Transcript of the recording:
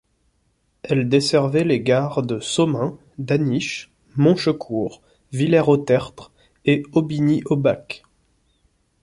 Elle desservait les gares de Somain, d'Aniche, Monchecourt, Villers-au-Tertre et Aubigny-au-Bac.